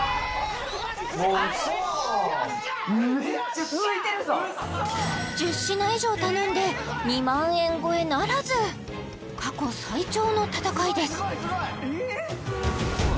もうウソ１０品以上頼んで２万円超えならず過去最長の戦いです